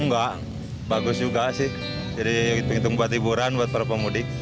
enggak bagus juga sih jadi itu untuk buat hiburan para pemudik